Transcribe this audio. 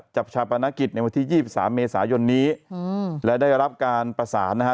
ชาปนกิจในวันที่๒๓เมษายนนี้และได้รับการประสานนะฮะ